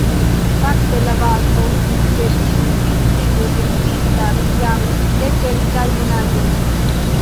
Fakte la bazo de tiu priskribo ekzistas jam de kelkaj monatoj.